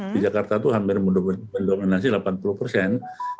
di jakarta itu hampir mendominasi delapan puluh persen